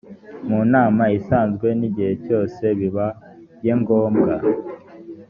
mu nama isanzwe n igihe cyose bibaye ngombwa